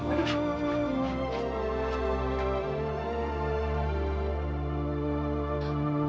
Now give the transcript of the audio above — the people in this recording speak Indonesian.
gerakkan mata kamu